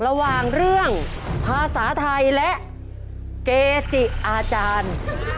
ระหว่างเรื่องภาษาไทยและเกจิอาจารย์